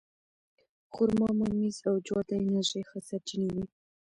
خرما، ممیز او جوار د انرژۍ ښه سرچینې دي.